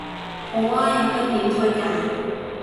好啊，有咩片推介